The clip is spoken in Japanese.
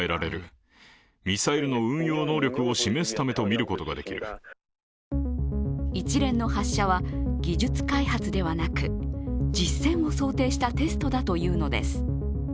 韓国の専門家は一連の発射は技術開発ではなく、実戦を想定したテストだというのです。